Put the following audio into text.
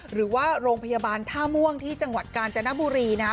หรือว่าโรงพยาบาลท่าม่วงที่จังหวัดกาญจนบุรีนะฮะ